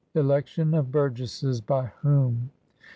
Election of Burgesses by whom.